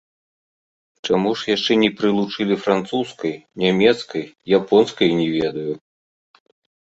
Чаму ж яшчэ не прылучылі французскай, нямецкай, японскай, не ведаю.